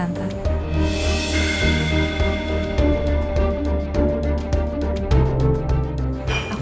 maaf banget ya tante